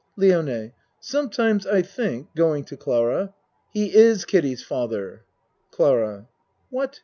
LIONE Sometimes I think (Going to Clara.) he is Kiddie's father. CLARA What?